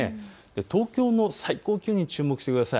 東京の最高気温に注目してください。